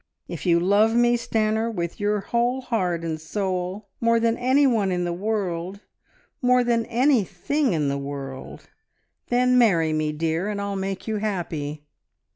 If you love me, Stanor, with your whole heart and soul, more than any one in the world, more than anything in the world, then marry me, dear, and I'll make you happy!